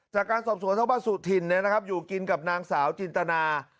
จากการสอบสวนเท่าว่าสุธินอยู่กินกับนางสาวจินตนา